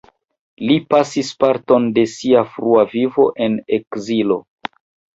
Li pasis parton de sia frua vivo en ekzilo.